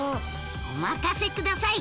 お任せください！